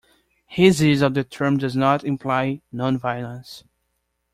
His use of the term does not imply nonviolence.